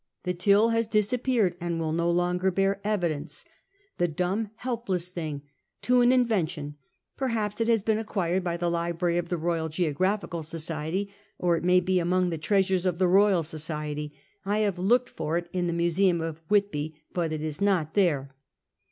The till has disappeared, and will no longer bear evidence, the dumb, helpless thing, to an invention. Perhaps it has liccn accpiircd by the Library of the Royal Geograjihical Society, or it may be among the treasures of the Royal Society. I have looked for it in the Museum of Whitby, but it is not there.